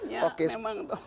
ya itu soalnya